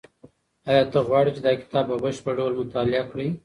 ایا ته غواړې چې دا کتاب په بشپړ ډول مطالعه کړې؟